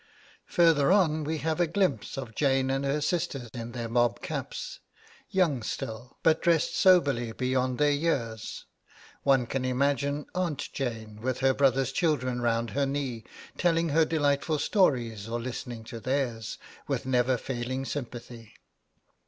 Further on we have a glimpse of Jane and her sister in their mobcaps, young still, but dressed soberly beyond their years. One can imagine 'Aunt Jane,' with her brother's children round her knee, telling her delightful stories or listening to theirs, with never failing sympathy.